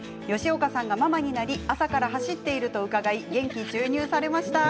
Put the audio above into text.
吉岡さんが母になり朝から走っていると伺って元気注入されました。